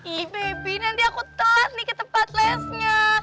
ih beb nanti aku tolat nih ke tempat lesnya